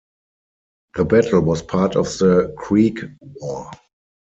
The battle was part of the Creek War.